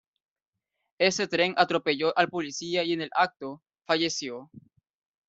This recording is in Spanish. Ese tren atropelló al policía y en el acto, falleció.